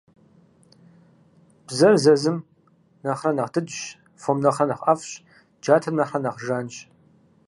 Бзэр зэзым нэхърэ нэхъ дыджщ, фом нэхърэ нэхъ ӀэфӀщ, джатэм нэхърэ нэхъ жанщ.